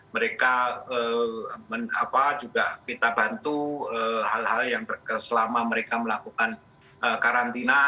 mereka juga kita bantu hal hal yang selama mereka melakukan karantina